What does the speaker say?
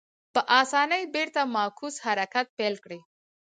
په اسانۍ بېرته معکوس حرکت پیل کړي.